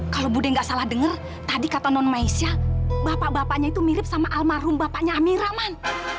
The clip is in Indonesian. kalau budi gak salah dengar tadi kata non maisya bapak bapaknya itu mirip sama almarhum bapaknya amira man